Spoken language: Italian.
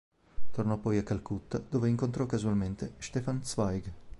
Tornò poi a Calcutta, dove incontrò casualmente Stefan Zweig.